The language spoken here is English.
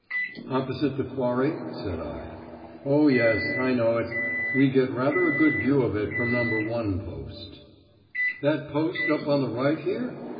"Opposite the Quarry?" said I. "Oh, yes, I know it. We get rather a good view of it from No. 1 Post." "That post up on the right here?